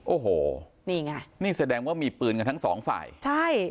โอ้โหนี่ไงนี่แสดงว่ามีปืนกันทั้งสองฝ่ายใช่